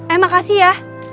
eh makasih ya